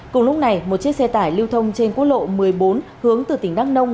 cùng lúc này một chiếc xe tải lưu thông trên quốc lộ một mươi bốn hướng từ tỉnh đắk nông